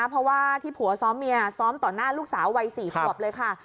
เพราะว่าที่ผัวซ้อมเมียซ้อมต่อหน้าลูกสาววัย๔ขวบเลยค่ะ